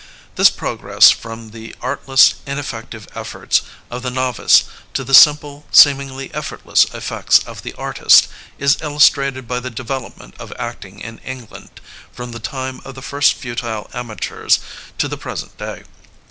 This progress from the art less, ineffective eflforts of the novice to the simple, seemingly effortless effects of the artist, is illus trated by the development of acting in England from the time of the first futile amateurs to the present day.